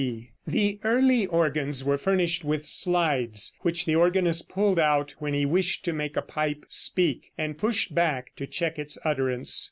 D.)] The early organs were furnished with slides which the organist pulled out when he wished to make a pipe speak, and pushed back to check its utterance.